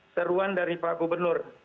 seruan dari pak gubernur